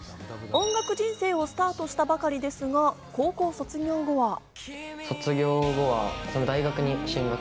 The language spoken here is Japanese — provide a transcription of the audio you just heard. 音楽人生をスタートしたばかりですが、高校卒業後は。